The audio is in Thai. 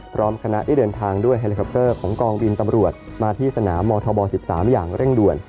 พร้อมคณะได้เดินทางด้วยเฮลิคอปเตอร์ของกองบินตำรวจมาที่สนามมธบ๑๓อย่างเร่งด่วน